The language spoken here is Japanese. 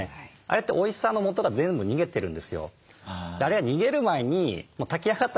あれっておいしさのもとが全部逃げてるんですよ。